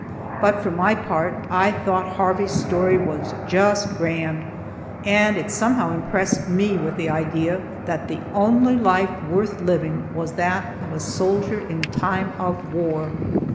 But, for my part, I thought Harvey's story was just grand, and it somehow impressed me with the idea that the only life worth living was that of a soldier in time of war.